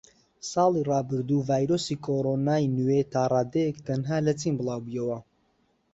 ساڵی ڕابردوو ڤایرۆسی کۆرۆنای نوێ تاڕادەیەک تەنها لە چین بڵاوبوویەوە